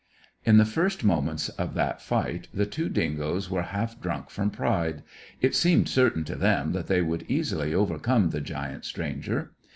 In the first moments of that fight the two dingoes were half drunk from pride. It seemed certain to them that they would easily overcome the giant stranger.